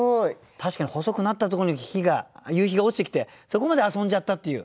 確かに細くなったところに日が夕日が落ちてきてそこまで遊んじゃったっていう。